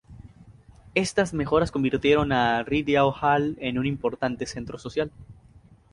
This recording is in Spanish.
Estas mejoras convirtieron a Rideau Hall en un importante centro social.